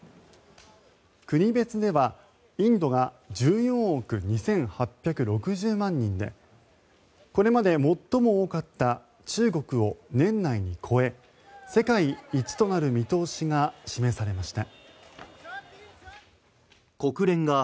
国別ではインドが１４億２８６０万人でこれまで最も多かった中国を年内に超え世界一となる見通しが示されました。